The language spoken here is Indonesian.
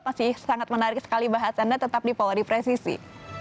masih sangat menarik sekali bahas anda tetap di pola di presisi